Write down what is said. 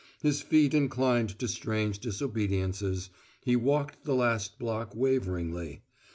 His feet inclined to strange disobediences: he walked the last block waveringly.